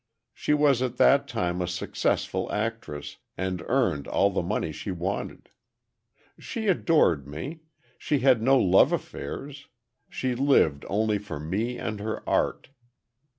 She was at that time a successful actress, and earned all the money she wanted. She adored me, she had no love affairs, she lived only for me and her art.